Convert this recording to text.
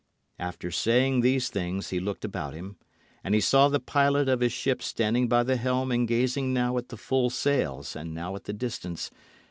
After saying these things he looked about him, and he saw the pilot of his ship standing by the helm and gazing now at the full sails and now at the distance.